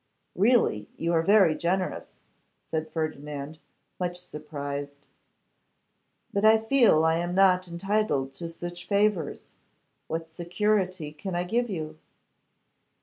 'Really, you are very generous,' said Ferdinand, much surprised, 'but I feel I am not entitled to such favours. What security can I give you?